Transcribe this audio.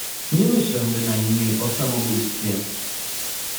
"Nie myślę bynajmniej o samobójstwie."